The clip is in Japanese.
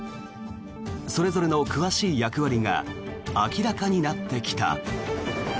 それぞれの詳しい役割が明らかになってきた。